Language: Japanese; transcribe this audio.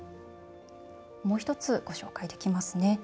もう１つ、ご紹介できますね。